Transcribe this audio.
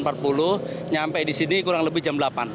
sampai di sini kurang lebih jam delapan